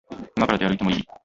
いまから出歩いてもいい？